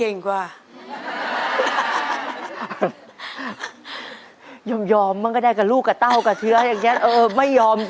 ไม่ยอมจริงนะเก่งเนอะ